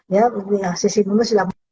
ya sistem imunnya sudah